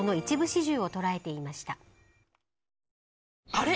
あれ？